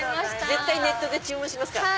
絶対ネットで注文しますから。